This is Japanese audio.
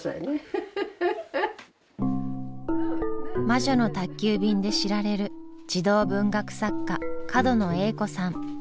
「魔女の宅急便」で知られる児童文学作家角野栄子さん８７歳。